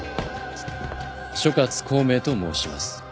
諸葛孔明と申します。